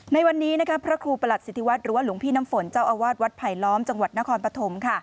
ในวันนี้พระครูประหลัดสิทธิวัฒน์หรือว่าหลวงพี่น้ำฝนเจ้าอาวาสวัดไผลล้อมจังหวัดนครปฐม